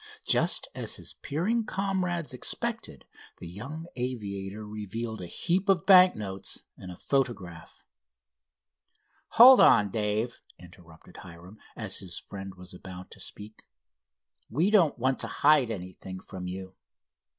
Just as his peering comrades expected, the young aviator revealed a heap of bank notes and a photograph. "Hold on, Dave," interrupted Hiram, as his friend was about to speak; "we don't want to hide anything from you.